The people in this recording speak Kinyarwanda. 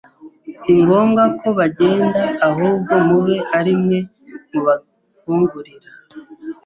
“Si ngombwa ko bagenda, ahubwo mube ari mwe mubafungurira.